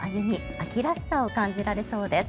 秋らしさを感じられそうです。